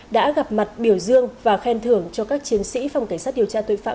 đã gặp mặt biểu dương và khen thưởng cho các chiến sĩ phòng cảnh sát điều tra tội phạm